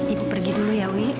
ibu pergi dulu ya wi